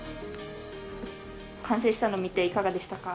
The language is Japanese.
完成したの見ていかがでしたか？